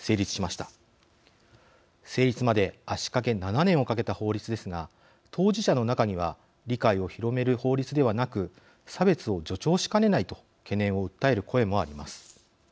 成立まで足かけ７年をかけた法律ですが当事者の中には理解を広める法律ではなく差別を助長しかねないと懸念を訴える声もあります。